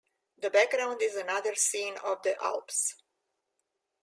The background is another scene of the Alps.